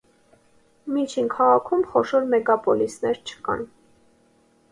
Միջին քաղաքում խոշոր մեգապոլիսներ չկան։